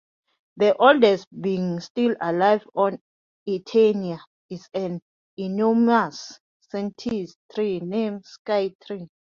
The oldest being still alive on Eternia is an enormous sentient tree named Skytree.